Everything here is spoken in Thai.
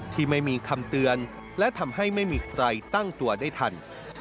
ที่ไม่มีคำเตือนและทำให้ไม่มีใครตั้งตัวได้ทัน